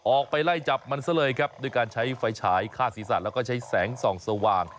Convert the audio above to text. ออกไปไล่จับมันซะเลยครับด้วยการใช้ไฟฉายฆ่าศีรษะแล้วก็ใช้แสงส่องสว่าง